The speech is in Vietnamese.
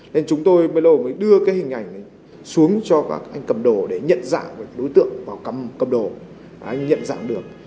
nên chúng tôi mới đưa cái hình ảnh xuống cho các anh cầm đồ để nhận dạng đối tượng vào cầm đồ để anh nhận dạng được